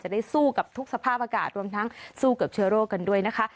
ได้สู้กับทุกสภาพอากาศรวมทั้งสู้กับเชื้อโรคกันด้วยนะคะ